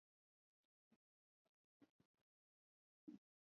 Alipenda aina hiyo ya mateso